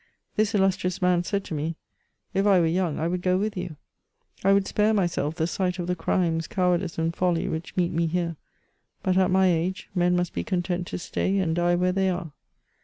This illustrious man said to me, *^ If I were young I would go with you : I would spare myself the sight of the crimes, cowardice, and folly which meet me here; but at my age, men must be content to stay and die where they are.